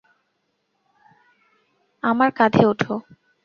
আমার কাঁধে ওঠো।